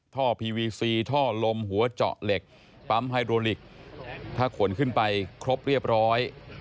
พีวีซีท่อลมหัวเจาะเหล็กปั๊มไฮโดลิกถ้าขนขึ้นไปครบเรียบร้อย